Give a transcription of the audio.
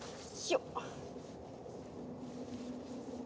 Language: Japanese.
よっ！